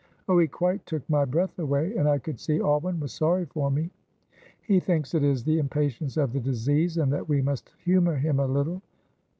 Oh, he quite took my breath away, and I could see Alwyn was sorry for me. He thinks it is the impatience of the disease and that we must humour him a little.